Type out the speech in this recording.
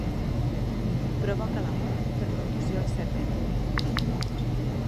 Provoca la mort per contusió al cervell.